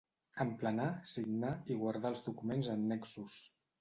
Emplenar, signar i guardar els documents annexos.